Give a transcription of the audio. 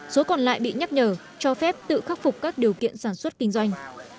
số còn lại bị nhắc nhở cho phép tự khắc phục các điều kiện sản xuất kinh doanh